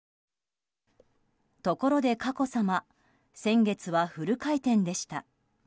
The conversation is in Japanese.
ところで佳子さま先月はフル回転でした。